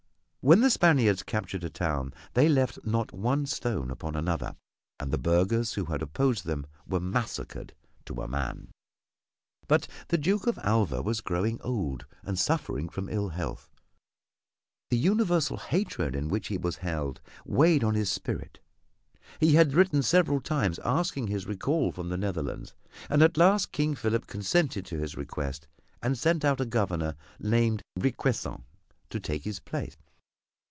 When the Spaniards captured a town they left not one stone upon another, and the burghers who had opposed them were massacred to a man. But the Duke of Alva was growing old and suffering from ill health. The universal hatred in which he was held weighed on his spirit. He had written several times asking his recall from the Netherlands, and at last King Philip consented to his request and sent out a Governor named Requesens to take his place.